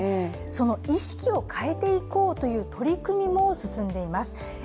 その意識を変えていこうという取り組みも進んでいます。